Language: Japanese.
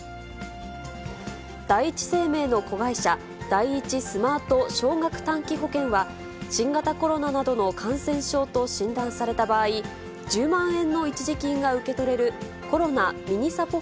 第一生命の子会社、第一スマート少額短期保険は、新型コロナなどの感染症と診断された場合、１０万円の一時金が受け取れる、コロナｍｉｎｉサポ